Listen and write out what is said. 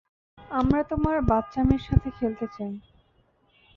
আমরা তোমার বাচ্চা মেয়ের সাথে খেলতে চাই।